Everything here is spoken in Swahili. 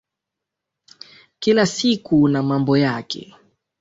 Kila siku na mambo yake.